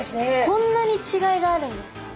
こんなに違いがあるんですか？